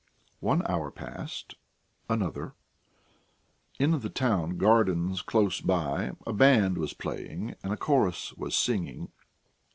One hour passed, another. In the town gardens close by a band was playing and a chorus was singing.